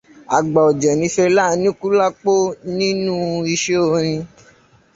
Àgbà ọ̀jẹ̀ ni Fẹlá Aníkúlápó nínú iṣẹ́ orin.